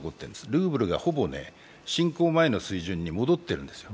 ルーブルがほぼ侵攻前の水準に戻っているんですよ。